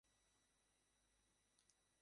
কিন্তু এ ঘটনাটা বাঁধা-ধরা মামুলি একটা ব্যাপার নয়।